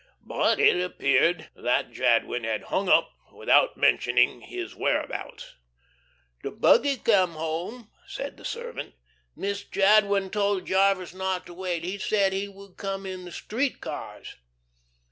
But it appeared that Jadwin had "hung up" without mentioning his whereabouts. "The buggy came home," said the servant. "Mr. Jadwin told Jarvis not to wait. He said he would come in the street cars."